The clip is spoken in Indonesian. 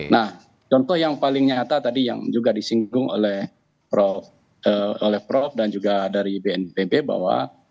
nah contoh yang paling nyata tadi yang juga disinggung oleh prof dan juga dari bnpb bahwa